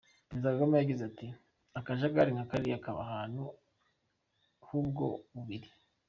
Perezida Kagame yagize ati: "Akajagari nka kariya kaba ahantu h'ubwoko bubiri.